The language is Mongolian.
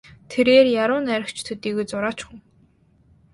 Тэрээр яруу найрагч төдийгүй зураач хүн.